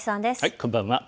こんばんは。